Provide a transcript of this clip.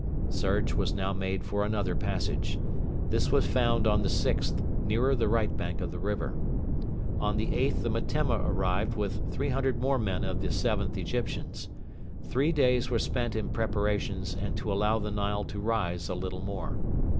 Search was now made for another passage. This was found on the 6th, nearer the right bank of the river. On the 8th the Metemma arrived with 300 more men of the 7th Egyptians. Three days were spent in preparations and to allow the Nile to rise a little more.